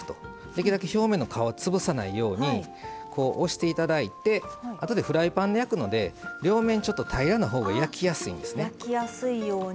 できるだけ表面の皮を潰さないように押していただいてあとでフライパンで焼くので両面平らなほうが焼きやすいんですね。